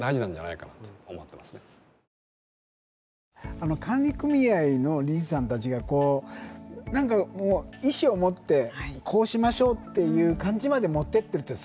あの管理組合の理事さんたちがこう何か意志を持ってこうしましょうっていう感じまで持ってってるってすごいですよね。